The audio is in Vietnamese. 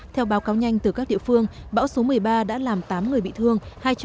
theo báo cáo nhanh từ các địa phương bão số một mươi ba đã làm tám người bị thương